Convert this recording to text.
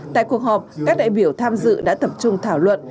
tại cuộc họp các đại biểu tham dự đã tập trung thảo luận